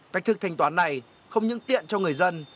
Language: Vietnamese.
cách thức thanh toán này không những tiện cho người dân